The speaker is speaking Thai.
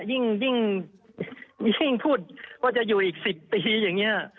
ยิ่งพูดว่าจะอยู่อีก๑๐ปีอย่างนี้